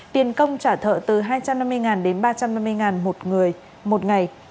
tiền công trả thợ từ hai trăm năm mươi đến ba trăm năm mươi một người một ngày